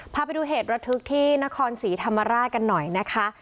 พาไปดูเหตุระทึกที่นครศรีธรรมราชกันหน่อยนะคะ